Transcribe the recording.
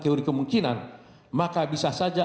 teori kemungkinan maka bisa saja